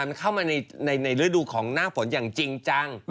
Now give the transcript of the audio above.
มันเข้ามาในฤดูของหน้าฝนอย่างจริงจัง